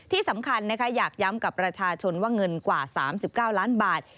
ที่สำคัญนะคะอยากย้ำกับประชาชนว่าเงินกว่า๓๙ล้านบาท